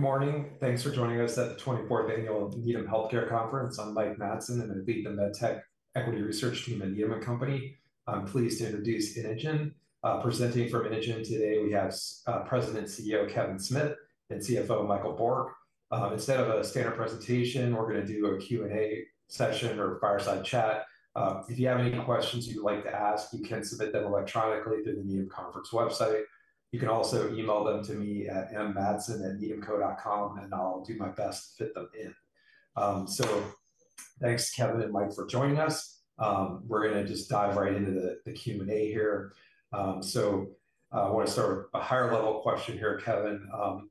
Good morning. Thanks for joining us at the 24th Annual Needham Healthcare Conference. I'm Mike Matson, and I lead the MedTech Equity Research Team at Needham & Company. I'm pleased to introduce Inogen. Presenting from Inogen today, we have President and CEO Kevin Smith and CFO Michael Bourque. Instead of a standard presentation, we're going to do a Q&A session or fireside chat. If you have any questions you'd like to ask, you can submit them electronically through the Needham Conference website. You can also email them to me at m.matson@needhamco.com, and I'll do my best to fit them in. Thanks, Kevin and Mike, for joining us. We're going to just dive right into the Q&A here. I want to start with a higher-level question here, Kevin.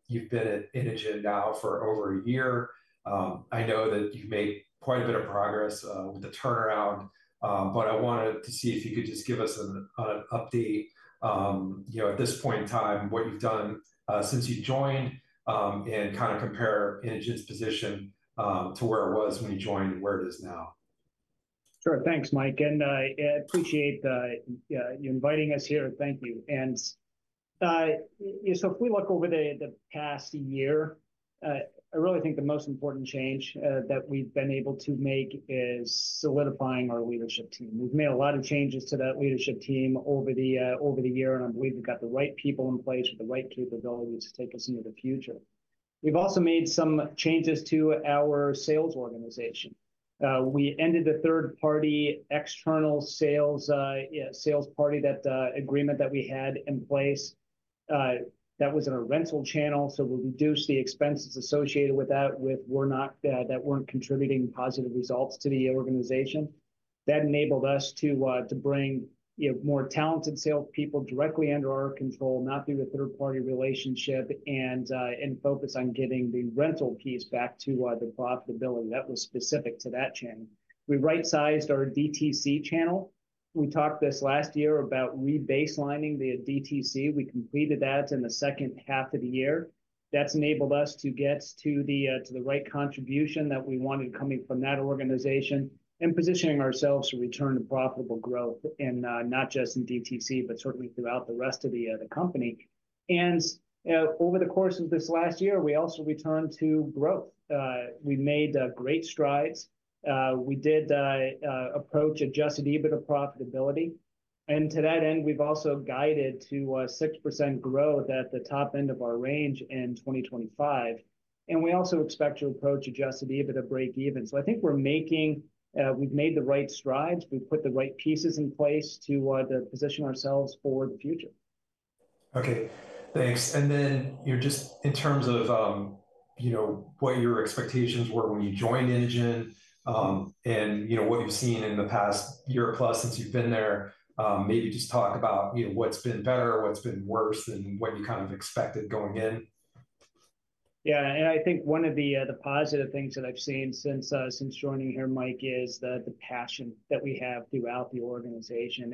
You've been at Inogen now for over a year. I know that you've made quite a bit of progress with the turnaround, but I wanted to see if you could just give us an update at this point in time what you've done since you joined, and kind of compare Inogen's position to where it was when you joined and where it is now. Sure. Thanks, Mike. I appreciate you inviting us here. Thank you. If we look over the past year, I really think the most important change that we've been able to make is solidifying our leadership team. We've made a lot of changes to that leadership team over the year, and I believe we've got the right people in place with the right capabilities to take us into the future. We've also made some changes to our sales organization. We ended the third-party external sales party, that agreement that we had in place, that was in a rental channel. We reduced the expenses associated with that, that weren't contributing positive results to the organization. That enabled us to bring more talented salespeople directly under our control, not through a third-party relationship, and focus on getting the rental piece back to the profitability that was specific to that channel. We right-sized our DTC channel. We talked this last year about rebaselining the DTC. We completed that in the second half of the year. That has enabled us to get to the right contribution that we wanted coming from that organization, positioning ourselves to return to profitable growth, not just in DTC, but certainly throughout the rest of the company. Over the course of this last year, we also returned to growth. We made great strides. We did approach adjusted EBITDA profitability. To that end, we have also guided to a 6% growth at the top end of our range in 2025. We also expect to approach adjusted EBITDA break-even. I think we're making we've made the right strides. We've put the right pieces in place to position ourselves for the future. Okay. Thanks. In terms of what your expectations were when you joined Inogen, and what you've seen in the past year plus since you've been there, maybe just talk about what's been better, what's been worse, and what you kind of expected going in. Yeah. I think one of the positive things that I've seen since joining here, Mike, is the passion that we have throughout the organization.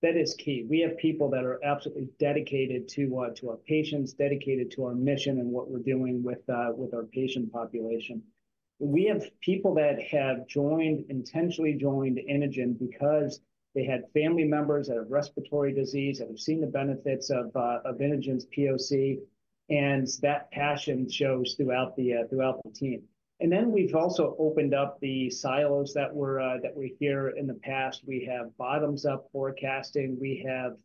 That is key. We have people that are absolutely dedicated to our patients, dedicated to our mission, and what we're doing with our patient population. We have people that have joined, intentionally joined Inogen because they had family members that have respiratory disease, that have seen the benefits of Inogen's POC. That passion shows throughout the team. We've also opened up the silos that were here in the past. We have bottoms-up forecasting. We have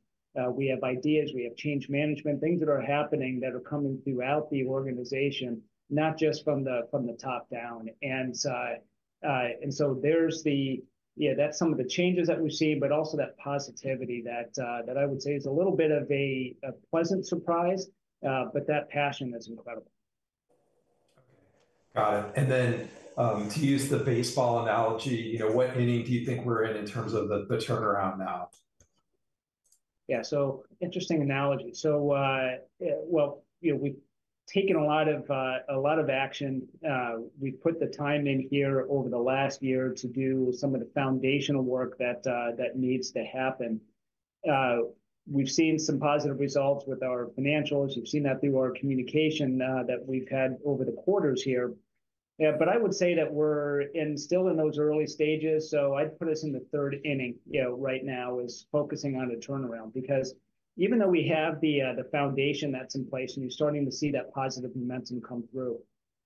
ideas. We have change management, things that are happening that are coming throughout the organization, not just from the top down. There are some of the changes that we've seen, but also that positivity that I would say is a little bit of a pleasant surprise, but that passion is incredible. Okay. Got it. To use the baseball analogy, what inning do you think we're in in terms of the turnaround now? Yeah. Interesting analogy. We have taken a lot of action. We have put the time in here over the last year to do some of the foundational work that needs to happen. We have seen some positive results with our financials. You have seen that through our communication that we have had over the quarters here. I would say that we are still in those early stages. I would put us in the third inning right now focusing on a turnaround because even though we have the foundation that is in place, and you are starting to see that positive momentum come through,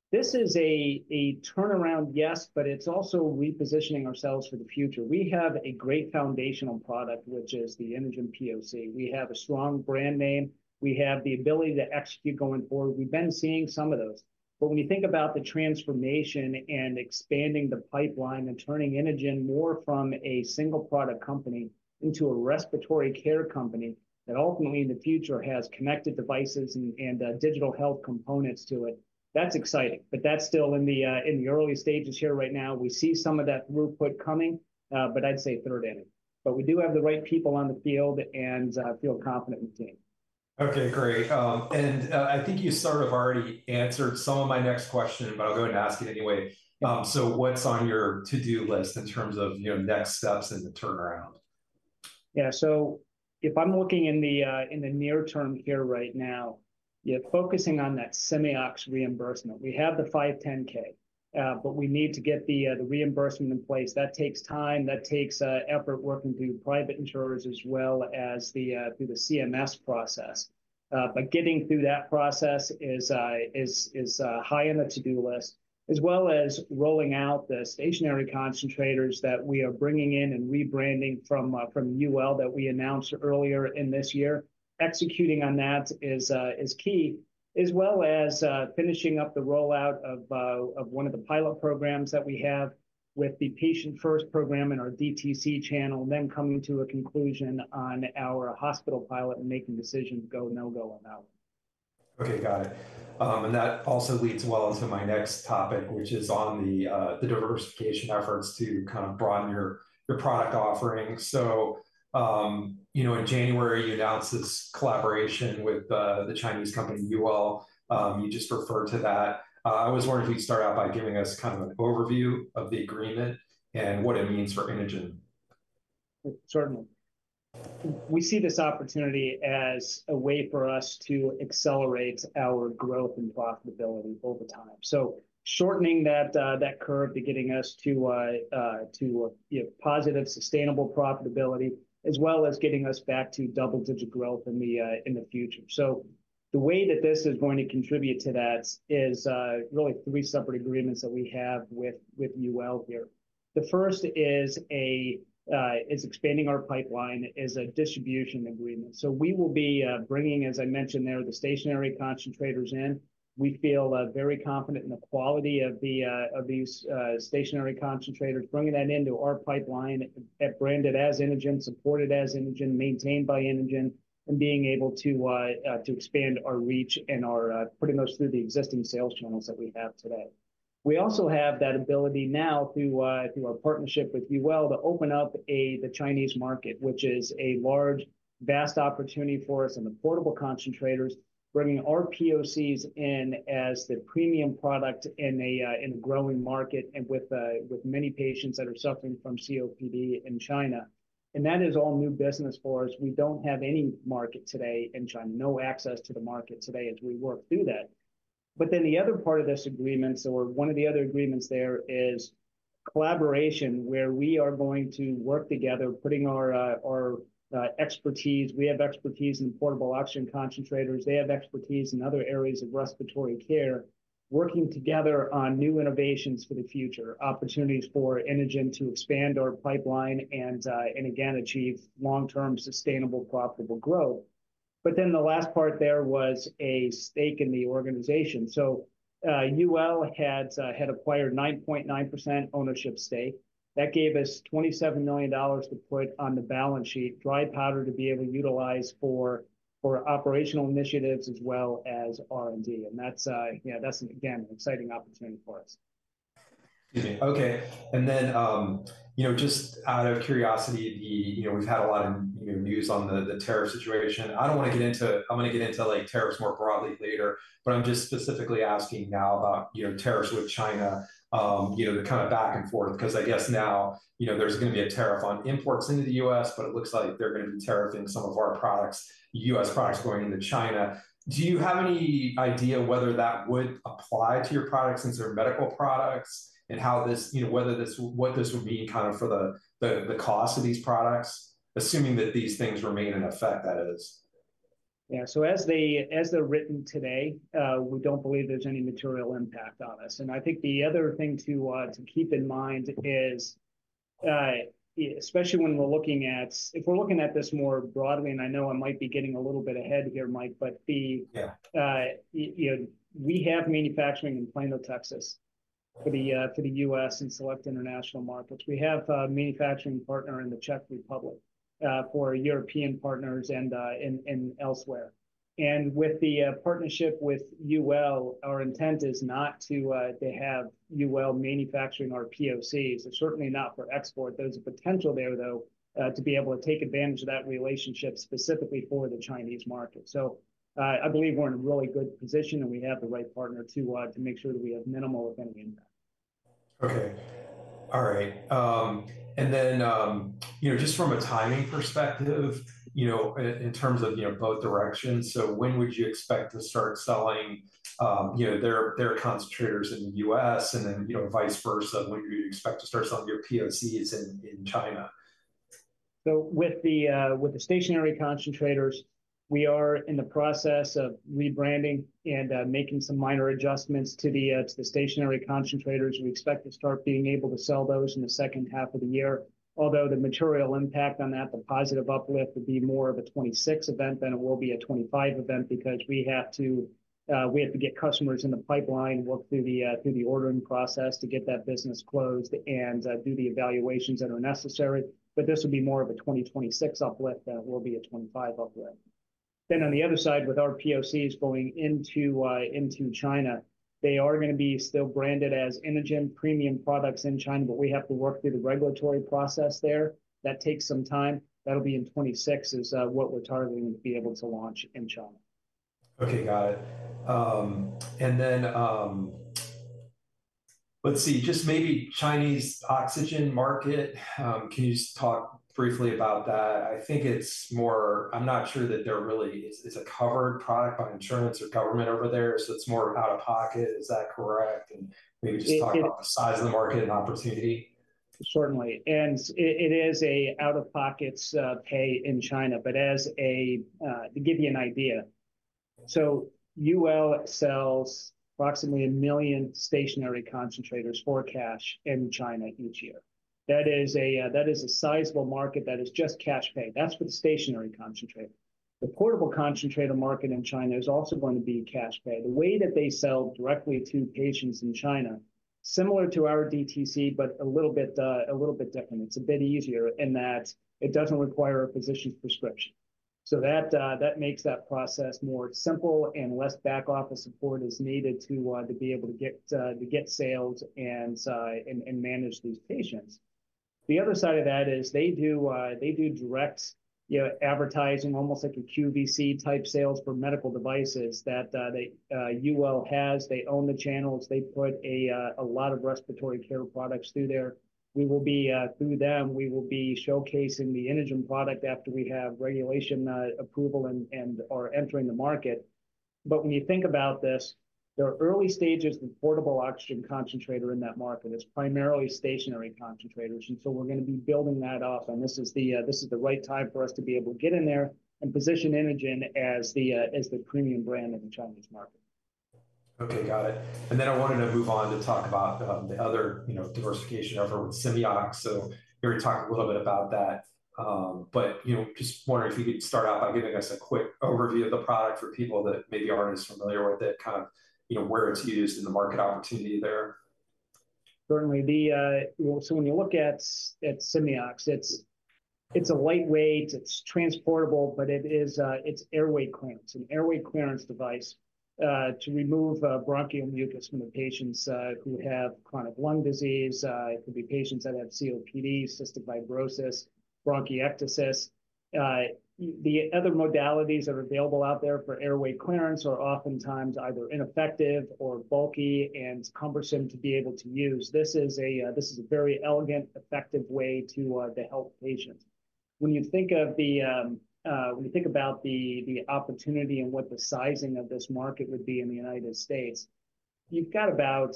this is a turnaround, yes, but it is also repositioning ourselves for the future. We have a great foundational product, which is the Inogen POC. We have a strong brand name. We have the ability to execute going forward. We have been seeing some of those. When you think about the transformation and expanding the pipeline and turning Inogen more from a single-product company into a respiratory care company that ultimately in the future has connected devices and digital health components to it, that's exciting. That's still in the early stages here right now. We see some of that throughput coming, but I'd say third inning. We do have the right people on the field and feel confident in the team. Okay. Great. I think you sort of already answered some of my next question, but I'll go ahead and ask it anyway. What's on your to-do list in terms of next steps in the turnaround? Yeah. If I'm looking in the near term here right now, focusing on that Simeox reimbursement, we have the 510(k), but we need to get the reimbursement in place. That takes time. That takes effort working through private insurers as well as through the CMS process. Getting through that process is high on the to-do list, as well as rolling out the stationary concentrators that we are bringing in and rebranding from Yuwell that we announced earlier in this year. Executing on that is key, as well as finishing up the rollout of one of the pilot programs that we have with the Patient First program in our DTC channel, and then coming to a conclusion on our hospital pilot and making decisions go, no-go on that one. Okay. Got it. That also leads well into my next topic, which is on the diversification efforts to kind of broaden your product offering. In January, you announced this collaboration with the Chinese company Yuwell. You just referred to that. I was wondering if you'd start out by giving us kind of an overview of the agreement and what it means for Inogen. Certainly. We see this opportunity as a way for us to accelerate our growth and profitability over time. Shortening that curve to getting us to positive, sustainable profitability, as well as getting us back to double-digit growth in the future. The way that this is going to contribute to that is really three separate agreements that we have with Yuwell here. The first is expanding our pipeline as a distribution agreement. We will be bringing, as I mentioned there, the stationary concentrators in. We feel very confident in the quality of these stationary concentrators, bringing that into our pipeline, branded as Inogen, supported as Inogen, maintained by Inogen, and being able to expand our reach and our putting those through the existing sales channels that we have today. We also have that ability now through our partnership with Yuwell to open up the Chinese market, which is a large, vast opportunity for us and affordable concentrators, bringing our POCs in as the premium product in a growing market with many patients that are suffering from COPD in China. That is all new business for us. We do not have any market today in China, no access to the market today as we work through that. The other part of this agreement, or one of the other agreements, is collaboration where we are going to work together, putting our expertise. We have expertise in portable oxygen concentrators. They have expertise in other areas of respiratory care, working together on new innovations for the future, opportunities for Inogen to expand our pipeline and, again, achieve long-term sustainable profitable growth. The last part there was a stake in the organization. Yuwell had acquired 9.9% ownership stake. That gave us $27 million to put on the balance sheet, dry powder to be able to utilize for operational initiatives as well as R&D. That is, again, an exciting opportunity for us. Okay. Just out of curiosity, we've had a lot of news on the tariff situation. I do not want to get into tariffs more broadly later, but I am just specifically asking now about tariffs with China, the kind of back and forth, because I guess now there is going to be a tariff on imports into the U.S., but it looks like they are going to be tariffing some of our products, U.S. products going into China. Do you have any idea whether that would apply to your products since they are medical products and whether this would be kind of for the cost of these products, assuming that these things remain in effect, that is? Yeah. As they're written today, we don't believe there's any material impact on us. I think the other thing to keep in mind is, especially when we're looking at if we're looking at this more broadly, and I know I might be getting a little bit ahead here, Mike, but we have manufacturing in Plano, Texas, for the U.S. and select international markets. We have a manufacturing partner in the Czech Republic for European partners and elsewhere. With the partnership with Yuwell, our intent is not to have Yuwell manufacturing our POCs. It's certainly not for export. There's a potential there, though, to be able to take advantage of that relationship specifically for the Chinese market. I believe we're in a really good position, and we have the right partner to make sure that we have minimal, if any, impact. Okay. All right. Just from a timing perspective, in terms of both directions, when would you expect to start selling their concentrators in the U.S., and then vice versa, when do you expect to start selling your POCs in China? With the stationary concentrators, we are in the process of rebranding and making some minor adjustments to the stationary concentrators. We expect to start being able to sell those in the second half of the year. Although the material impact on that, the positive uplift, would be more of a 2026 event than it will be a 2025 event because we have to get customers in the pipeline, work through the ordering process to get that business closed, and do the evaluations that are necessary. This would be more of a 2026 uplift than it will be a 2025 uplift. On the other side, with our POCs going into China, they are going to be still branded as Inogen premium products in China, but we have to work through the regulatory process there. That takes some time. That'll be in 2026 is what we're targeting to be able to launch in China. Okay. Got it. Let's see. Just maybe Chinese oxygen market, can you just talk briefly about that? I think it's more I'm not sure that there really is a covered product by insurance or government over there. It's more out of pocket. Is that correct? Maybe just talk about the size of the market and opportunity. Certainly. It is an out-of-pocket pay in China. To give you an idea, Yuwell sells approximately 1 million stationary concentrators for cash in China each year. That is a sizable market that is just cash pay. That is for the stationary concentrator. The portable concentrator market in China is also going to be cash pay. The way that they sell directly to patients in China is similar to our DTC, but a little bit different. It is a bit easier in that it does not require a physician's prescription. That makes that process more simple and less back-office support is needed to be able to get sales and manage these patients. The other side of that is they do direct advertising, almost like a QVC-type sales for medical devices that Yuwell has. They own the channels. They put a lot of respiratory care products through there. Through them, we will be showcasing the Inogen product after we have regulation approval and are entering the market. When you think about this, there are early stages of portable oxygen concentrator in that market. It's primarily stationary concentrators. We are going to be building that off. This is the right time for us to be able to get in there and position Inogen as the premium brand in the Chinese market. Okay. Got it. I wanted to move on to talk about the other diversification effort with Simeox. You already talked a little bit about that. Just wondering if you could start out by giving us a quick overview of the product for people that maybe aren't as familiar with it, kind of where it's used and the market opportunity there. Certainly. When you look at Simeox, it's lightweight. It's transportable, but it's airway clearance. It's an airway clearance device to remove bronchial mucus from the patients who have chronic lung disease. It could be patients that have COPD, cystic fibrosis, bronchiectasis. The other modalities that are available out there for airway clearance are oftentimes either ineffective or bulky and cumbersome to be able to use. This is a very elegant, effective way to help patients. When you think about the opportunity and what the sizing of this market would be in the United States, you've got about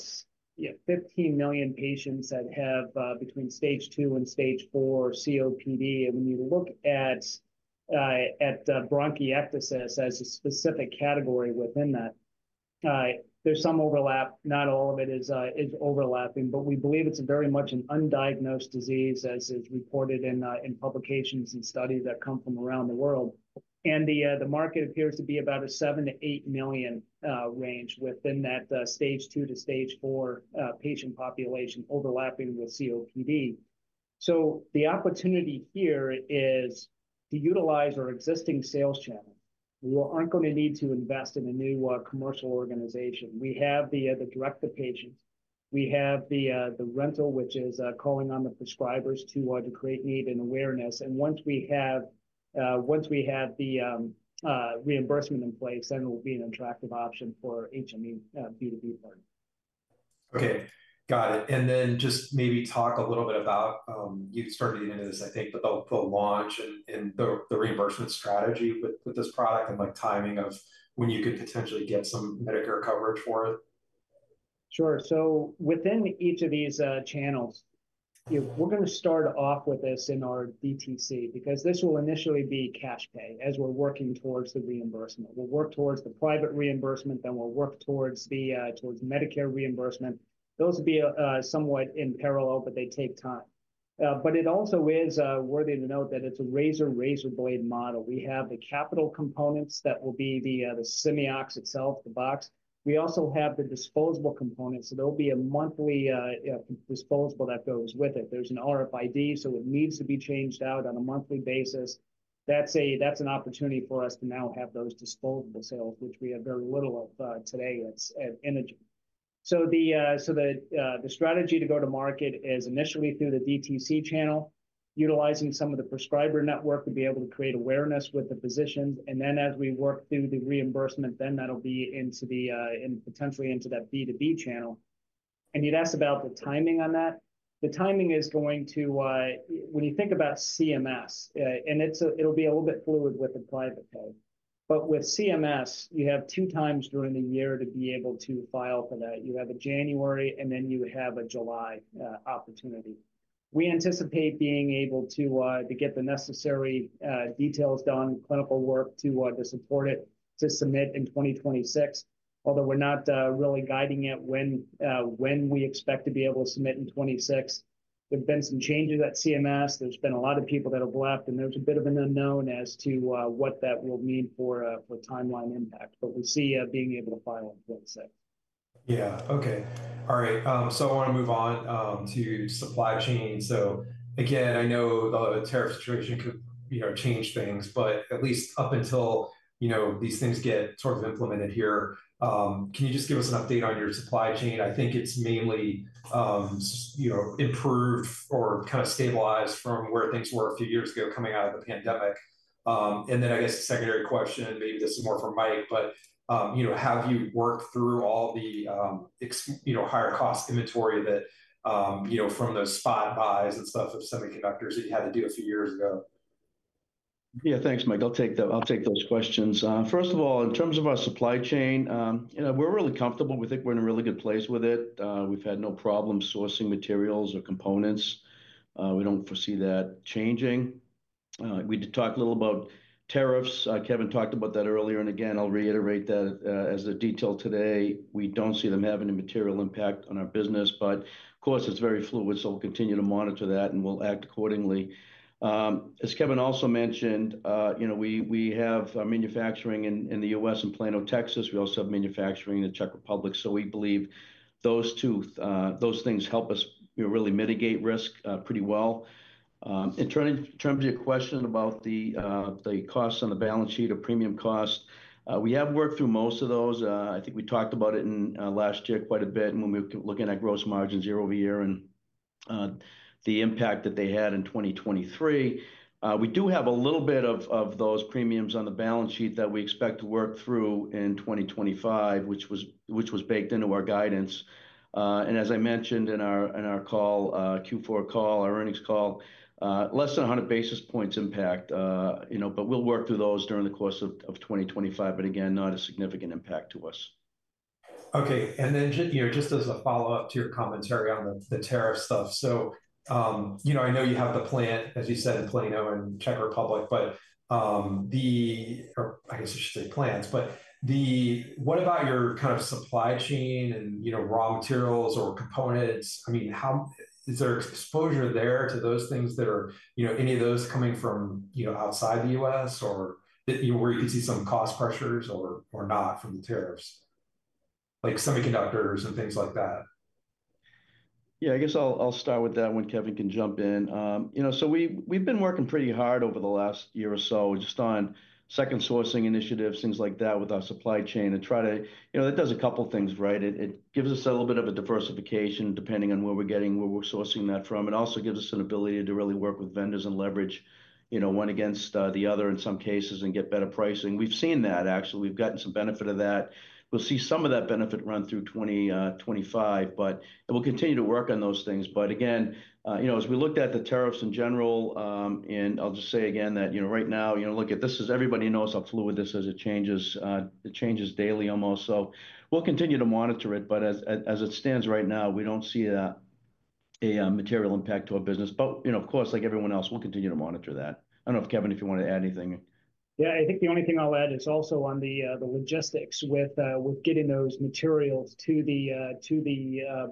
15 million patients that have between stage two and stage four COPD. When you look at bronchiectasis as a specific category within that, there's some overlap. Not all of it is overlapping, but we believe it's very much an undiagnosed disease, as is reported in publications and studies that come from around the world. The market appears to be about a 7-8 million range within that stage two to stage four patient population overlapping with COPD. The opportunity here is to utilize our existing sales channels. We aren't going to need to invest in a new commercial organization. We have the direct-to-patient. We have the rental, which is calling on the prescribers to create need and awareness. Once we have the reimbursement in place, it will be an attractive option for HME B2B partners. Okay. Got it. Maybe talk a little bit about, you started to get into this, I think, the launch and the reimbursement strategy with this product and timing of when you could potentially get some Medicare coverage for it. Sure. Within each of these channels, we're going to start off with this in our DTC because this will initially be cash pay as we're working towards the reimbursement. We'll work towards the private reimbursement. We'll work towards Medicare reimbursement. Those will be somewhat in parallel, but they take time. It also is worthy to note that it's a razor-razor blade model. We have the capital components that will be the Simeox itself, the box. We also have the disposable components. There will be a monthly disposable that goes with it. There's an RFID, so it needs to be changed out on a monthly basis. That's an opportunity for us to now have those disposable sales, which we have very little of today at Inogen. The strategy to go to market is initially through the DTC channel, utilizing some of the prescriber network to be able to create awareness with the physicians. Then as we work through the reimbursement, that'll be potentially into that B2B channel. You'd ask about the timing on that. The timing is going to, when you think about CMS, and it'll be a little bit fluid with the private pay. With CMS, you have two times during the year to be able to file for that. You have a January, and then you have a July opportunity. We anticipate being able to get the necessary details done, clinical work to support it, to submit in 2026. Although we're not really guiding it when we expect to be able to submit in 2026. There have been some changes at CMS. There's been a lot of people that have left, and there's a bit of an unknown as to what that will mean for timeline impact. We see being able to file in 2026. Yeah. Okay. All right. I want to move on to supply chain. Again, I know the tariff situation could change things, but at least up until these things get sort of implemented here, can you just give us an update on your supply chain? I think it has mainly improved or kind of stabilized from where things were a few years ago coming out of the pandemic. I guess a secondary question, maybe this is more for Mike, but have you worked through all the higher-cost inventory from those spot buys and stuff of semiconductors that you had to do a few years ago? Yeah. Thanks, Mike. I'll take those questions. First of all, in terms of our supply chain, we're really comfortable. We think we're in a really good place with it. We've had no problem sourcing materials or components. We don't foresee that changing. We did talk a little about tariffs. Kevin talked about that earlier. I will reiterate that as a detail today. We don't see them having a material impact on our business. Of course, it's very fluid, so we'll continue to monitor that, and we'll act accordingly. As Kevin also mentioned, we have manufacturing in the U.S. and Plano, Texas. We also have manufacturing in the Czech Republic. We believe those things help us really mitigate risk pretty well. In terms of your question about the costs on the balance sheet or premium cost, we have worked through most of those. I think we talked about it last year quite a bit when we were looking at gross margin year over year and the impact that they had in 2023. We do have a little bit of those premiums on the balance sheet that we expect to work through in 2025, which was baked into our guidance. As I mentioned in our Q4 call, our earnings call, less than 100 basis points impact. We will work through those during the course of 2025, again, not a significant impact to us. Okay. Just as a follow-up to your commentary on the tariff stuff, I know you have the plant, as you said, in Plano and Czech Republic. I guess I should say plants, but what about your kind of supply chain and raw materials or components? I mean, is there exposure there to those things? Are any of those coming from outside the U.S. where you can see some cost pressures or not from the tariffs, like semiconductors and things like that? Yeah. I guess I'll start with that when Kevin can jump in. We've been working pretty hard over the last year or so just on second sourcing initiatives, things like that with our supply chain to try to—that does a couple of things, right? It gives us a little bit of a diversification depending on where we're getting, where we're sourcing that from. It also gives us an ability to really work with vendors and leverage one against the other in some cases and get better pricing. We've seen that, actually. We've gotten some benefit of that. We'll see some of that benefit run through 2025, but we'll continue to work on those things. Again, as we looked at the tariffs in general, and I'll just say again that right now, look at this. Everybody knows how fluid this is. It changes daily almost. We will continue to monitor it. As it stands right now, we do not see a material impact to our business. Of course, like everyone else, we will continue to monitor that. I do not know, Kevin, if you want to add anything. Yeah. I think the only thing I'll add is also on the logistics with getting those materials to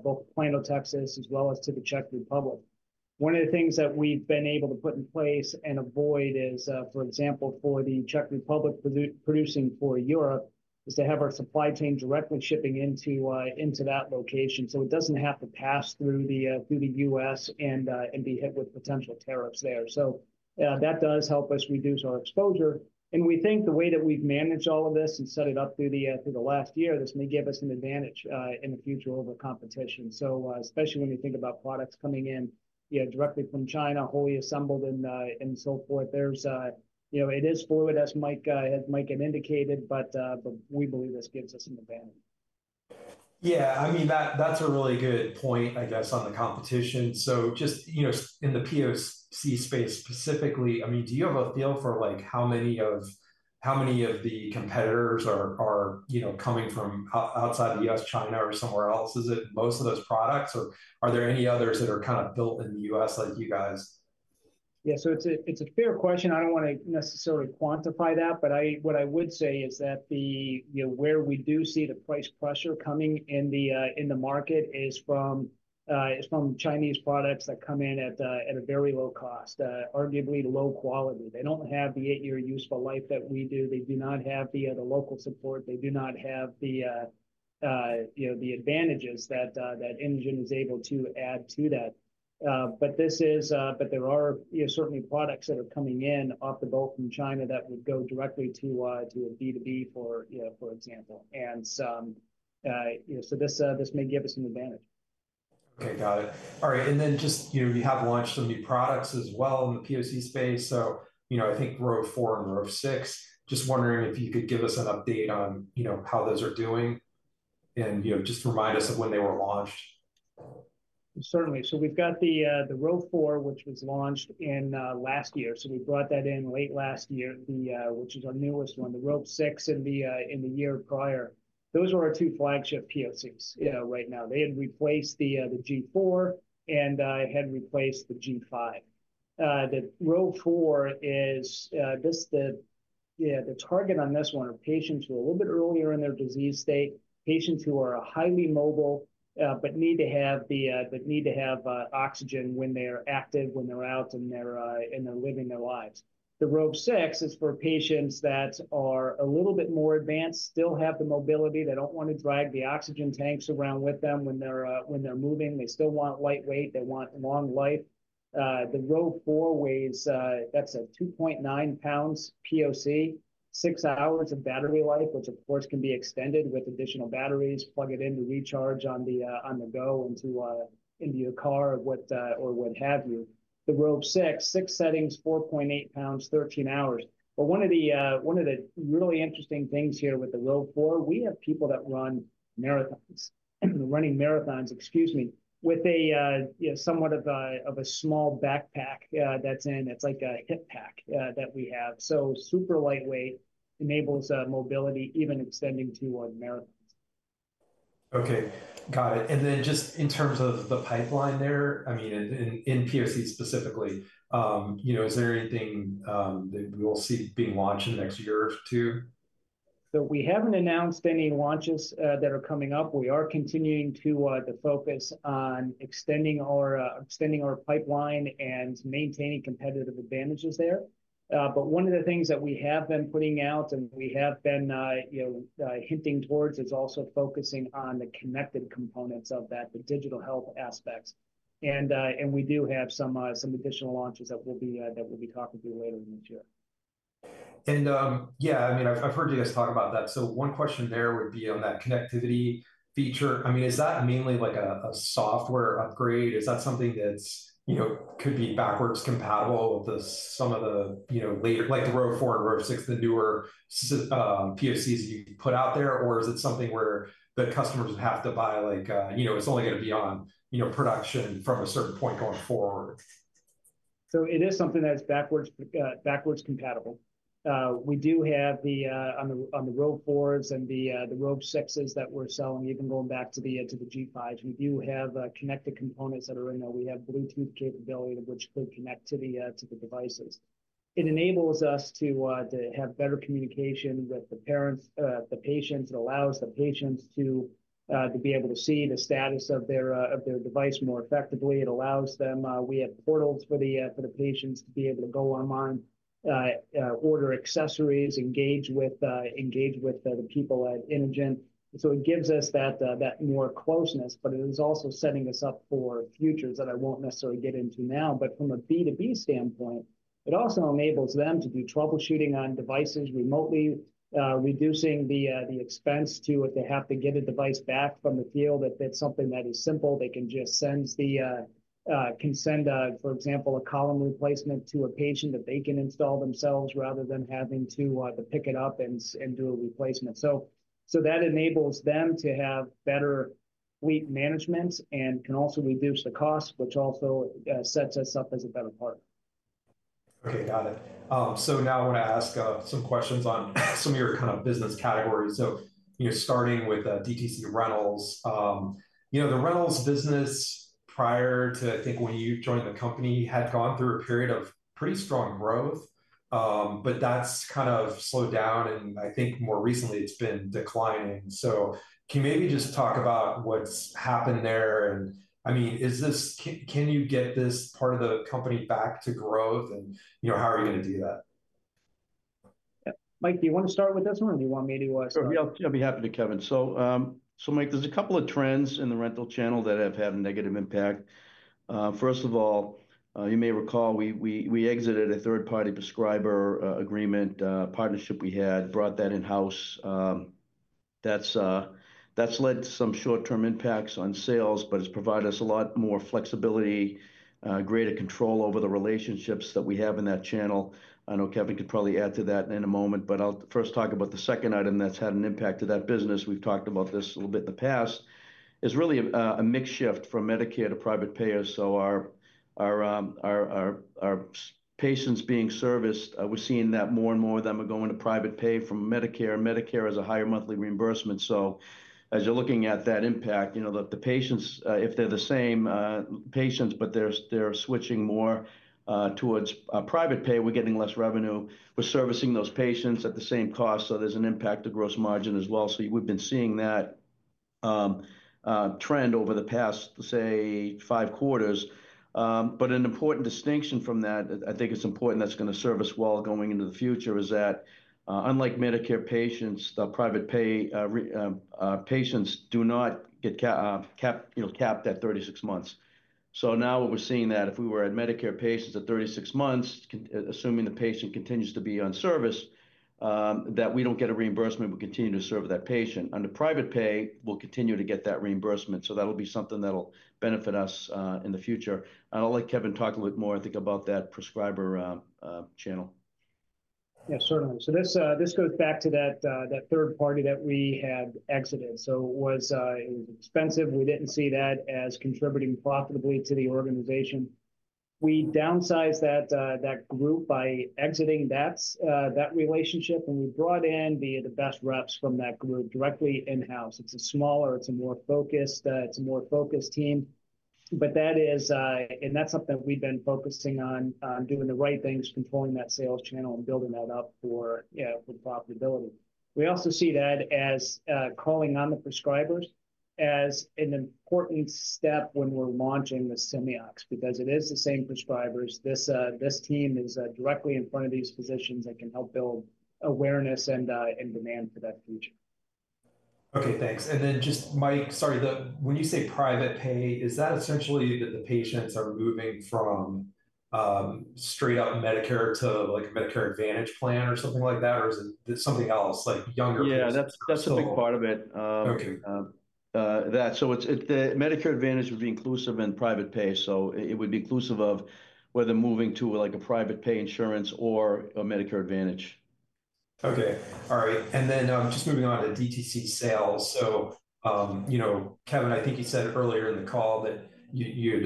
both Plano, Texas, as well as to the Czech Republic. One of the things that we've been able to put in place and avoid is, for example, for the Czech Republic producing for Europe, is to have our supply chain directly shipping into that location so it doesn't have to pass through the U.S. and be hit with potential tariffs there. That does help us reduce our exposure. We think the way that we've managed all of this and set it up through the last year, this may give us an advantage in the future over competition. Especially when you think about products coming in directly from China, wholly assembled and so forth, it is fluid, as Mike has indicated, but we believe this gives us an advantage. Yeah. I mean, that's a really good point, I guess, on the competition. Just in the POC space specifically, do you have a feel for how many of the competitors are coming from outside the U.S., China or somewhere else? Is it most of those products, or are there any others that are kind of built in the U.S. like you guys? Yeah. It is a fair question. I do not want to necessarily quantify that. What I would say is that where we do see the price pressure coming in the market is from Chinese products that come in at a very low cost, arguably low quality. They do not have the eight-year useful life that we do. They do not have the local support. They do not have the advantages that Inogen is able to add to that. There are certainly products that are coming in off the boat from China that would go directly to a B2B, for example. This may give us an advantage. Okay. Got it. All right. You have launched some new products as well in the POC space. I think Rove 4 and Rove 6. Just wondering if you could give us an update on how those are doing and just remind us of when they were launched. Certainly. We have the Rove 4, which was launched last year. We brought that in late last year, which is our newest one, the Rove 6 in the year prior. Those are our two flagship POCs right now. They had replaced the G4 and had replaced the G5. The Rove 4 is just the target on this one are patients who are a little bit earlier in their disease state, patients who are highly mobile but need to have oxygen when they're active, when they're out and they're living their lives. The Rove 6 is for patients that are a little bit more advanced, still have the mobility. They do not want to drag the oxygen tanks around with them when they're moving. They still want lightweight. They want long life. The Rove 4 weighs, that's a 2.9 pounds POC, six hours of battery life, which of course can be extended with additional batteries, plug it in to recharge on the go into your car or what have you. The Rove 6, six settings, 4.8 pounds, 13 hours. One of the really interesting things here with the Rove 4, we have people that run marathons, running marathons, excuse me, with somewhat of a small backpack that's in. It's like a hip pack that we have. Super lightweight, enables mobility even extending to marathons. Okay. Got it. And then just in terms of the pipeline there, I mean, in POC specifically, is there anything that we'll see being launched in the next year or two? We have not announced any launches that are coming up. We are continuing to focus on extending our pipeline and maintaining competitive advantages there. One of the things that we have been putting out and we have been hinting towards is also focusing on the connected components of that, the digital health aspects. We do have some additional launches that we will be talking to you later in this year. Yeah, I mean, I've heard you guys talk about that. One question there would be on that connectivity feature. I mean, is that mainly like a software upgrade? Is that something that could be backwards compatible with some of the later, like the Rove 4 and Rove 6, the newer POCs that you put out there, or is it something where the customers would have to buy, like it's only going to be on production from a certain point going forward? It is something that's backwards compatible. We do have on the Rove 4s and the Rove 6s that we're selling, even going back to the G5s, we do have connected components that are in there. We have Bluetooth capability, which could connect to the devices. It enables us to have better communication with the patients. It allows the patients to be able to see the status of their device more effectively. It allows them—we have portals for the patients to be able to go online, order accessories, engage with the people at Inogen. It gives us that more closeness, but it is also setting us up for futures that I won't necessarily get into now. From a B2B standpoint, it also enables them to do troubleshooting on devices remotely, reducing the expense if they have to get a device back from the field. If it is something that is simple, they can just send, for example, a column replacement to a patient that they can install themselves rather than having to pick it up and do a replacement. That enables them to have better fleet management and can also reduce the cost, which also sets us up as a better partner. Okay. Got it. I want to ask some questions on some of your kind of business categories. Starting with DTC Rentals, the rentals business prior to, I think, when you joined the company, had gone through a period of pretty strong growth, but that's kind of slowed down. I think more recently, it's been declining. Can you maybe just talk about what's happened there? I mean, can you get this part of the company back to growth, and how are you going to do that? Mike, do you want to start with this one, or do you want me to? Sure. I'll be happy to, Kevin. Mike, there's a couple of trends in the rental channel that have had a negative impact. First of all, you may recall we exited a third-party prescriber agreement partnership we had, brought that in-house. That's led to some short-term impacts on sales, but it's provided us a lot more flexibility, greater control over the relationships that we have in that channel. I know Kevin could probably add to that in a moment, but I'll first talk about the second item that's had an impact to that business. We've talked about this a little bit in the past. It's really a mix shift from Medicare to private payer. Our patients being serviced, we're seeing that more and more of them are going to private pay from Medicare. Medicare has a higher monthly reimbursement. As you're looking at that impact, the patients, if they're the same patients, but they're switching more towards private pay, we're getting less revenue. We're servicing those patients at the same cost. There's an impact to gross margin as well. We've been seeing that trend over the past, say, five quarters. An important distinction from that, I think it's important that's going to serve us well going into the future, is that unlike Medicare patients, the private pay patients do not get capped at 36 months. Now we're seeing that if we were at Medicare patients at 36 months, assuming the patient continues to be on service, we don't get a reimbursement. We continue to serve that patient. Under private pay, we'll continue to get that reimbursement. That'll be something that'll benefit us in the future. I'll let Kevin talk a little bit more, I think, about that prescriber channel. Yeah, certainly. This goes back to that third party that we had exited. It was expensive. We did not see that as contributing profitably to the organization. We downsized that group by exiting that relationship, and we brought in the best reps from that group directly in-house. It is a smaller, more focused team. That is something that we have been focusing on, doing the right things, controlling that sales channel and building that up for profitability. We also see that as calling on the prescribers as an important step when we are launching the Simeox because it is the same prescribers. This team is directly in front of these physicians that can help build awareness and demand for that future. Okay. Thanks. Mike, sorry, when you say private pay, is that essentially that the patients are moving from straight-up Medicare to Medicare Advantage plan or something like that, or is it something else, like younger patients? Yeah, that's a big part of it. The Medicare Advantage would be inclusive and private pay. It would be inclusive of whether moving to a private pay insurance or a Medicare Advantage. Okay. All right. Just moving on to DTC sales. Kevin, I think you said earlier in the call that you'd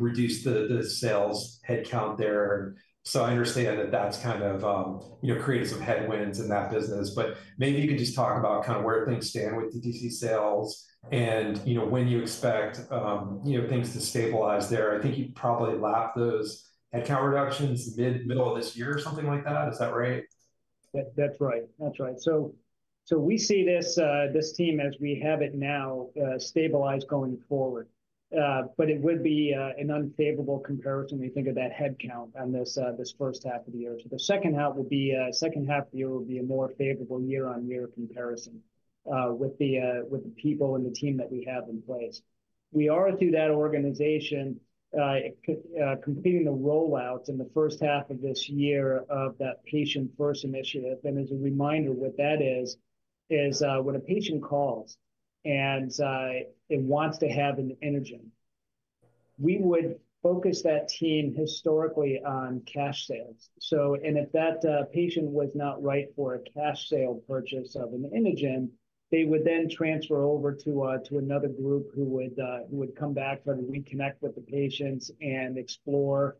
reduce the sales headcount there. I understand that that's kind of creating some headwinds in that business. Maybe you could just talk about kind of where things stand with DTC sales and when you expect things to stabilize there. I think you probably lapped those headcount reductions mid-middle of this year or something like that. Is that right? That's right. That's right. We see this team as we have it now stabilize going forward. It would be an unfavorable comparison when you think of that headcount on this first half of the year. The second half of the year would be a more favorable year-on-year comparison with the people and the team that we have in place. We are, through that organization, completing the rollout in the first half of this year of that patient-first initiative. As a reminder, what that is, is when a patient calls and wants to have an Inogen, we would focus that team historically on cash sales. If that patient was not right for a cash sale purchase of an Inogen, they would then transfer over to another group who would come back to reconnect with the patients and explore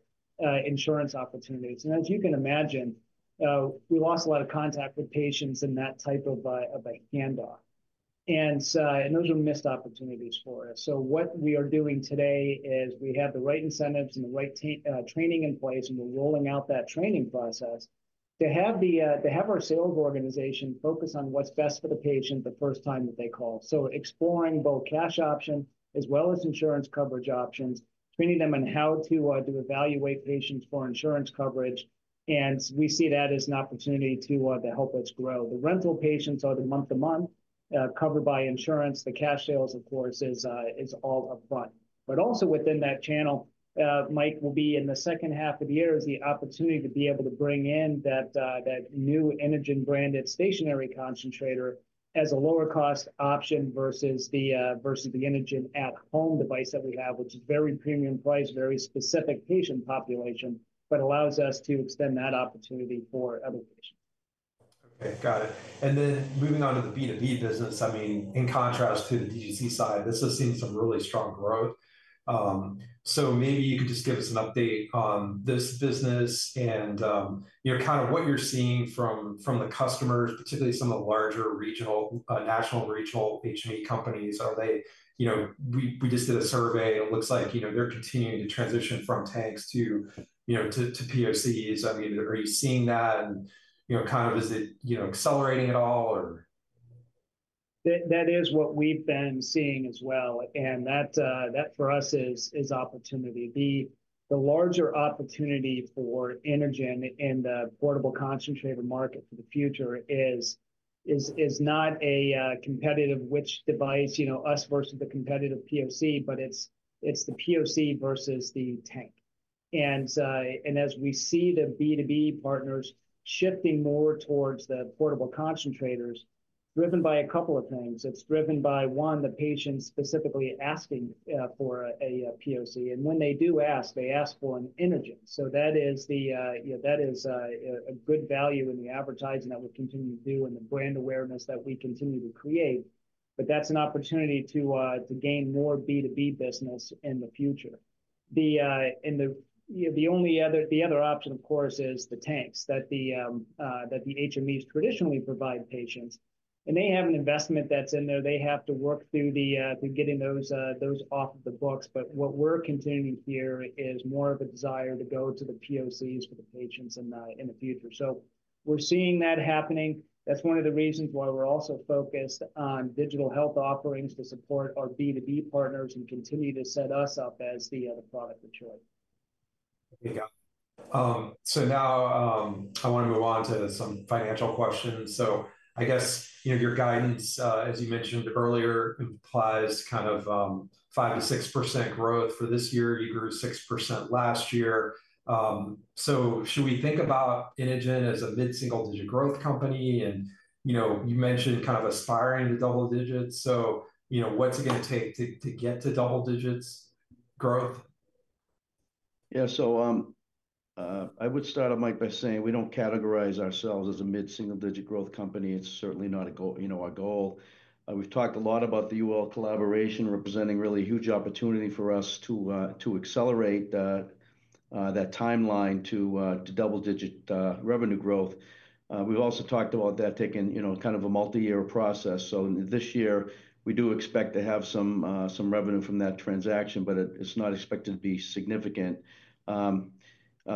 insurance opportunities. As you can imagine, we lost a lot of contact with patients in that type of a handoff. Those are missed opportunities for us. What we are doing today is we have the right incentives and the right training in place, and we're rolling out that training process to have our sales organization focus on what's best for the patient the first time that they call. Exploring both cash options as well as insurance coverage options, training them on how to evaluate patients for insurance coverage. We see that as an opportunity to help us grow. The rental patients are the month-to-month covered by insurance. The cash sales, of course, is all upfront. Also within that channel, Mike, will be in the second half of the year is the opportunity to be able to bring in that new Inogen branded stationary concentrator as a lower-cost option versus the Inogen At Home device that we have, which is very premium price, very specific patient population, but allows us to extend that opportunity for other patients. Okay. Got it. Moving on to the B2B business, I mean, in contrast to the DTC side, this has seen some really strong growth. Maybe you could just give us an update on this business and kind of what you're seeing from the customers, particularly some of the larger regional national regional HME companies. We just did a survey. It looks like they're continuing to transition from tanks to POCs. I mean, are you seeing that? Kind of is it accelerating at all, or? That is what we've been seeing as well. That for us is opportunity. The larger opportunity for Inogen in the portable concentrator market for the future is not a competitive which device, us versus the competitive POC, but it's the POC versus the tank. As we see the B2B partners shifting more towards the portable concentrators, driven by a couple of things. It's driven by, one, the patients specifically asking for a POC. When they do ask, they ask for an Inogen. That is a good value in the advertising that we continue to do and the brand awareness that we continue to create. That is an opportunity to gain more B2B business in the future. The only other option, of course, is the tanks that the HMEs traditionally provide patients. They have an investment that's in there. They have to work through getting those off of the books. What we're continuing here is more of a desire to go to the POCs for the patients in the future. We are seeing that happening. That's one of the reasons why we're also focused on digital health offerings to support our B2B partners and continue to set us up as the product of choice. Okay. Got it. Now I want to move on to some financial questions. I guess your guidance, as you mentioned earlier, implies kind of 5-6% growth for this year. You grew 6% last year. Should we think about Inogen as a mid-single-digit growth company? You mentioned kind of aspiring to double digits. What's it going to take to get to double digits growth? Yeah. I would start, Mike, by saying we don't categorize ourselves as a mid-single-digit growth company. It's certainly not our goal. We've talked a lot about the Yuwell collaboration representing really huge opportunity for us to accelerate that timeline to double-digit revenue growth. We've also talked about that taking kind of a multi-year process. This year, we do expect to have some revenue from that transaction, but it's not expected to be significant.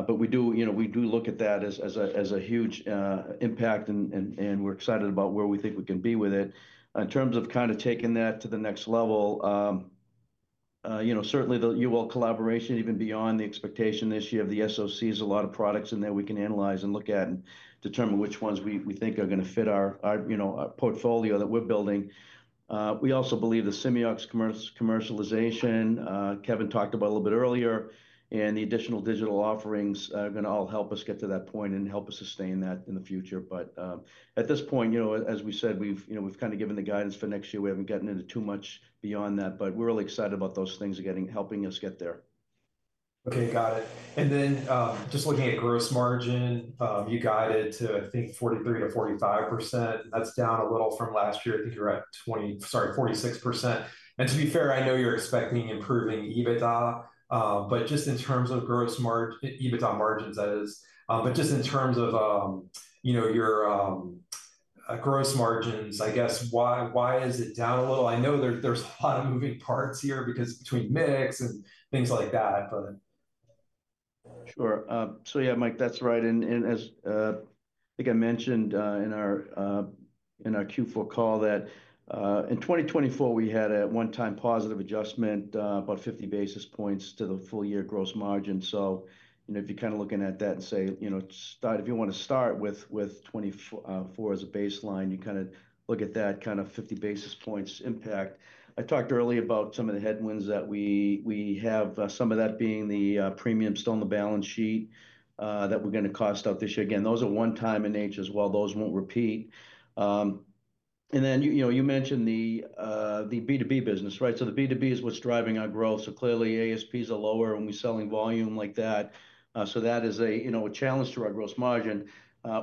We do look at that as a huge impact, and we're excited about where we think we can be with it. In terms of kind of taking that to the next level, certainly the Yuwell collaboration, even beyond the expectation this year of the stationary oxygen concentrators, a lot of products in there we can analyze and look at and determine which ones we think are going to fit our portfolio that we're building. We also believe the Simeox commercialization, Kevin talked about a little bit earlier, and the additional digital offerings are going to all help us get to that point and help us sustain that in the future. At this point, as we said, we've kind of given the guidance for next year. We haven't gotten into too much beyond that, but we're really excited about those things helping us get there. Okay. Got it. Just looking at gross margin, you guided to, I think, 43-45%. That is down a little from last year. I think you were at, sorry, 46%. To be fair, I know you are expecting improving EBITDA, but just in terms of gross margins, that is. Just in terms of your gross margins, I guess, why is it down a little? I know there is a lot of moving parts here between mix and things like that. Sure. Yeah, Mike, that's right. As I think I mentioned in our Q4 call, in 2024, we had a one-time positive adjustment, about 50 basis points to the full-year gross margin. If you're kind of looking at that and say, if you want to start with 2024 as a baseline, you kind of look at that kind of 50 basis points impact. I talked earlier about some of the headwinds that we have, some of that being the premium still on the balance sheet that we're going to cost out this year. Again, those are one-time in nature as well. Those won't repeat. You mentioned the B2B business, right? The B2B is what's driving our growth. Clearly, ASPs are lower when we're selling volume like that. That is a challenge to our gross margin.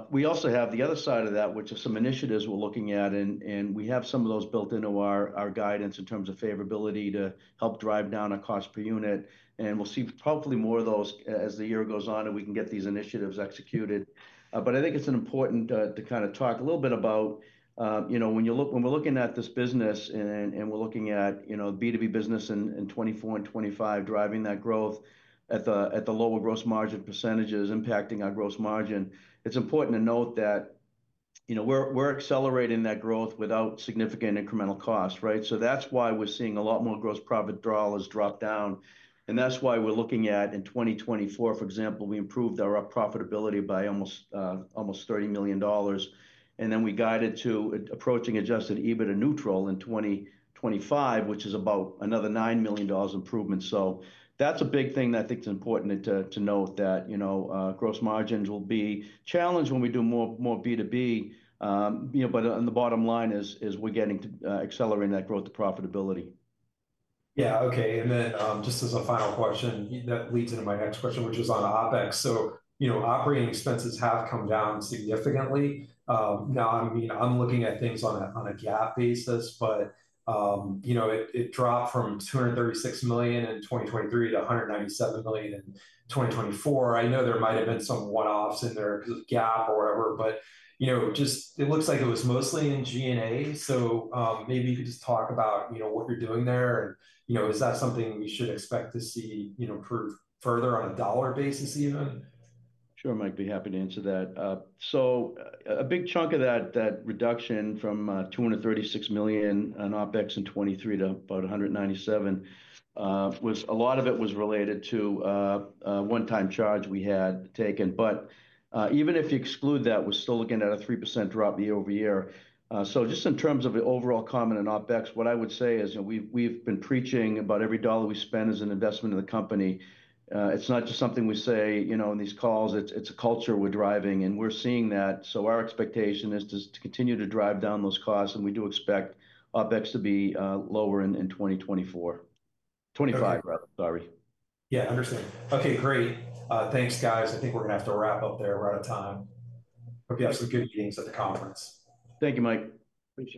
We also have the other side of that, which is some initiatives we're looking at, and we have some of those built into our guidance in terms of favorability to help drive down our cost per unit. We will see hopefully more of those as the year goes on and we can get these initiatives executed. I think it's important to kind of talk a little bit about when we're looking at this business and we're looking at B2B business in 2024 and 2025, driving that growth at the lower gross margin percentages impacting our gross margin. It's important to note that we're accelerating that growth without significant incremental costs, right? That's why we're seeing a lot more gross profit dollars drop down. That's why we're looking at in 2024, for example, we improved our profitability by almost $30 million. We guided to approaching adjusted EBITDA neutral in 2025, which is about another $9 million improvement. That is a big thing that I think is important to note, that gross margins will be challenged when we do more B2B. On the bottom line, we are getting to accelerating that growth of profitability. Yeah. Okay. Just as a final question, that leads into my next question, which was on OpEx. Operating expenses have come down significantly. Now, I mean, I'm looking at things on a GAAP basis, but it dropped from $236 million in 2023 to $197 million in 2024. I know there might have been some one-offs in there because of GAAP or whatever, but just it looks like it was mostly in G&A. Maybe you could just talk about what you're doing there. Is that something we should expect to see further on a dollar basis even? Sure, Mike. I'd be happy to answer that. A big chunk of that reduction from $236 million on OpEx in 2023 to about $197 million, a lot of it was related to a one-time charge we had taken. Even if you exclude that, we're still looking at a 3% drop year over year. Just in terms of the overall comment on OpEx, what I would say is we've been preaching about every dollar we spend is an investment in the company. It's not just something we say in these calls. It's a culture we're driving. We're seeing that. Our expectation is to continue to drive down those costs. We do expect OpEx to be lower in 2024. Twenty-five, rather, sorry. Yeah, understand. Okay, great. Thanks, guys. I think we're going to have to wrap up there. We're out of time. Hope you have some good meetings at the conference. Thank you, Mike. Appreciate it.